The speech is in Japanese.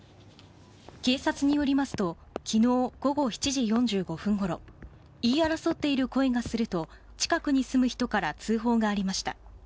警察によりますと昨日午後７時４５分ごろ言い争っている声がすると近くに住む人から通報がありました。